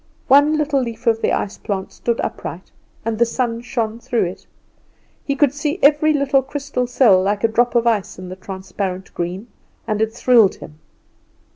One little leaf of the ice plant stood upright, and the sun shone through it. He could see every little crystal cell like a drop of ice in the transparent green, and it thrilled him.